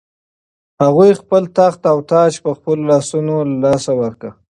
هغوی خپل تخت او تاج په خپلو لاسونو له لاسه ورکړ.